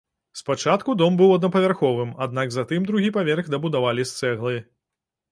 Спачатку дом быў аднапавярховым, аднак затым другі паверх дабудавалі з цэглы.